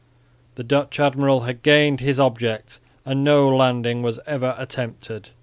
The Dutch admiral had gained his object and no landing was ever attempted.